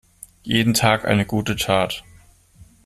Jeden Tag eine gute Tat.